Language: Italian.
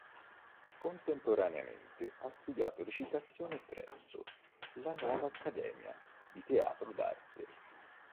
Contemporaneamente ha studiato recitazione presso la Nuova Accademia di Teatro d'Arte.